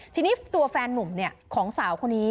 ทีนี้ตัวแฟนนุ่มของสาวคนนี้